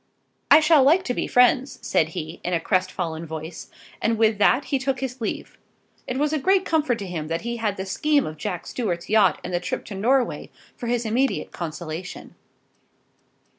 "I shall like to be friends," said he, in a crestfallen voice, and with that he took his leave. It was a great comfort to him that he had the scheme of Jack Stuart's yacht and the trip to Norway for his immediate consolation.